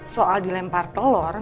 soal dilempar telur